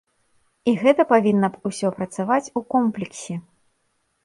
І гэта павінна ўсё працаваць у комплексе.